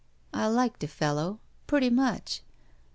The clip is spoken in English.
"I liked a fellow. Pretty much.